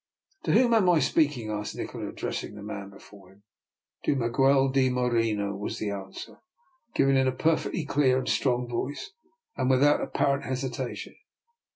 " To whom am I speaking? " asked Ni kola, addressing the man before him. To Miguel de Moreno," was the answer, given in a perfectly clear and strong voice, and without apparent hesitation.